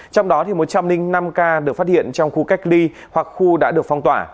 trong đó một trăm linh năm ca được phát hiện trong khu cách ly hoặc khu đã được phong tỏa